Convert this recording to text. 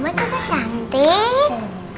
mama juga cantik